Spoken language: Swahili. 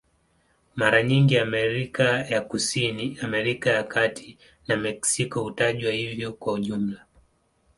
Mara nyingi Amerika ya Kusini, Amerika ya Kati na Meksiko hutajwa hivyo kwa jumla.